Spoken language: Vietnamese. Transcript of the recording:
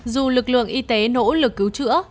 dù lực lượng y tế nỗ lực cứu trữa